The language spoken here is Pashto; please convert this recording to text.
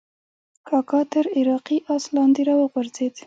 کاکا تر عراقي آس لاندې راوغورځېد.